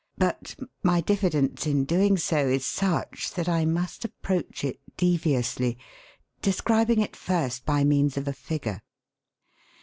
But my diffidence in doing so is such that I must approach it deviously, describing it first by means of a figure.